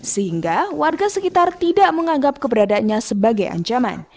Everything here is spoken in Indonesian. sehingga warga sekitar tidak menganggap keberadaannya sebagai ancaman